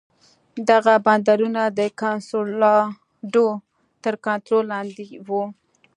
دغه بندرونه د کنسولاډو تر کنټرول لاندې وو.